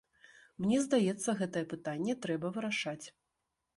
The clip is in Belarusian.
Мне здаецца, гэтае пытанне трэба вырашаць.